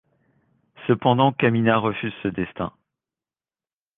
Cependant Kamina refuse ce destin.